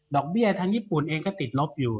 เบี้ยทางญี่ปุ่นเองก็ติดลบอยู่